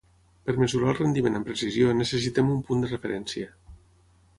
Per mesurar el rendiment amb precisió necessitem un punt de referència.